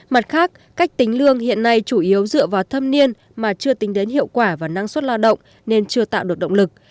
mặt khác cách tính lương hiện nay chủ yếu dựa vào thâm niên mà chưa tính đến hiệu quả và năng suất lao động nên chưa tạo được động lực